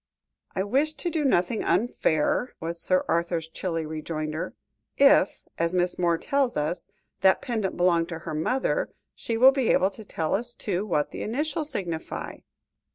"I wish to do nothing unfair," was Sir Arthur's chilly rejoinder; "if, as Miss Moore tells us, that pendant belonged to her mother, she will be able to tell us, too, what the initials signify."